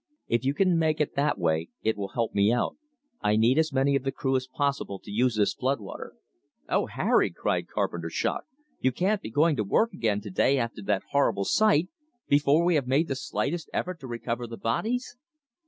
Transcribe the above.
If you can make it that way, it will help me out. I need as many of the crew as possible to use this flood water." "Oh, Harry," cried Carpenter, shocked. "You can't be going to work again to day after that horrible sight, before we have made the slightest effort to recover the bodies!"